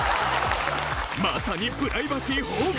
まさにプライバシー崩壊！